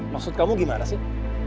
maksud kamu gimana sih